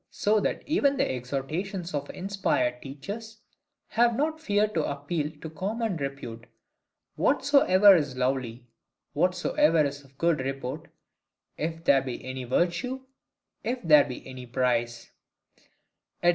So that even the exhortations of inspired teachers, have not feared to appeal to common repute: 'Whatsoever is lovely, whatsoever is of good report, if there be any virtue, if there be any praise,' &c.